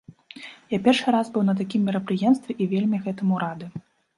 Я першы раз быў на такім мерапрыемстве і вельмі гэтаму рады.